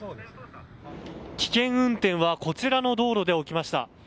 危険運転はこちらの道路で起きました。